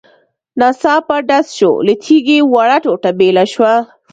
. ناڅاپه ډز شو، له تيږې وړه ټوټه بېله شوه.